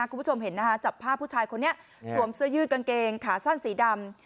คุณผู้ชมเห็นนะคะจับภาพผู้ชายคนนี้สวมเสื้อยืดกางเกงขาสั้นสีดำ